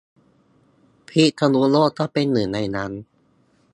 พิษณุโลกก็เป็นหนึ่งในนั้น